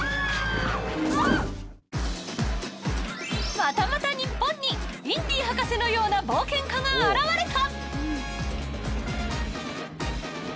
またまた日本にインディ博士のようなが現れた